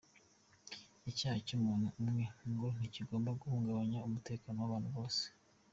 Icyaha cy’umuntu umwe ngo ntikigomba guhungabanya umutekano w’abantu bose.